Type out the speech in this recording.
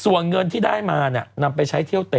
ส่วนเงินที่ได้มานำไปใช้เที่ยวเตะ